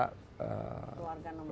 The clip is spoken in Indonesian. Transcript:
keluarga nomor satu